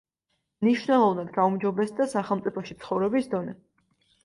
მნიშვნელოვნად გაუმჯობესდა სახელმწიფოში ცხოვრების დონე.